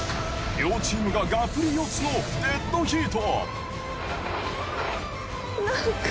両チームががっぷり四つのデッドヒート。